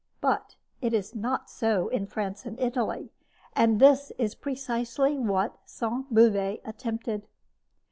But it is not so in France and Italy. And this is precisely what Sainte Beuve attempted.